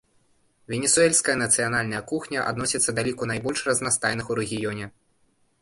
Венесуэльская нацыянальная кухня адносіцца да ліку найбольш разнастайных у рэгіёне.